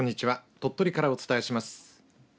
鳥取からお伝えします。